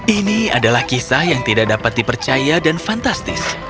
ini adalah kisah yang tidak dapat dipercaya dan fantastis